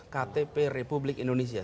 ktp republik indonesia